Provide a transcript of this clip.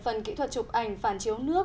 phần kỹ thuật chụp ảnh phản chiếu nước